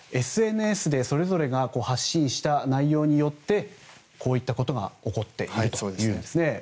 ＳＮＳで、それぞれが発信した内容によってこういったことが起こっているというんですね。